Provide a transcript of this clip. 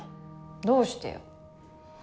どうしてよ？